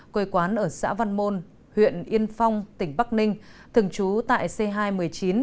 quê quán ở xã văn môn huyện yên phong tỉnh bắc ninh thường trú tại c hai trăm một mươi chín